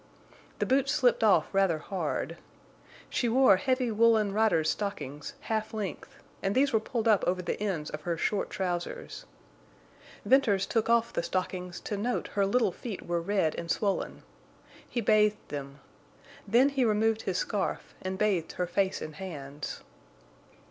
The boots slipped off rather hard. She wore heavy woollen rider's stockings, half length, and these were pulled up over the ends of her short trousers. Venters took off the stockings to note her little feet were red and swollen. He bathed them. Then he removed his scarf and bathed her face and hands.